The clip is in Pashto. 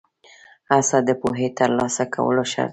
هڅه د پوهې ترلاسه کولو شرط دی.